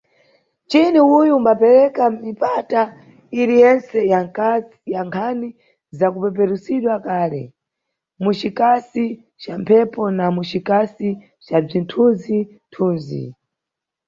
Mchini uyu umbapereka mipata iri yentse ya nkhani za kupeperusidwa kale, mu cikasi ca mphepo na mucikasi ca bzithunzi-thunzi.